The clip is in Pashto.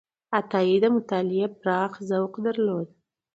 عطایي د مطالعې پراخ ذوق درلود.